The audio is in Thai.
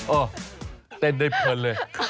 โอ๊ะเต้นได้เพลินเลย